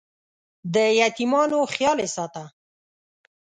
د یتیمانو خیال یې ساته.